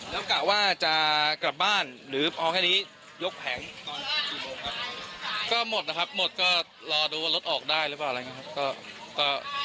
แล้วกะว่าจะกลับบ้านหรือพอแค่นี้ยกแผงตอนกี่โมงครับก็หมดนะครับหมดก็รอดูว่ารถออกได้หรือเปล่าอะไรอย่างนี้ครับ